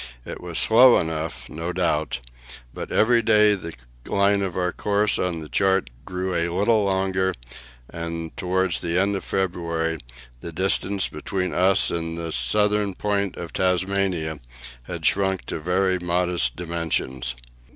It was slow enough, no doubt; but every day the line of our course on the chart grew a little longer, and towards the end of February the distance between us and the southern point of Tasmania had shrunk to very modest dimensions.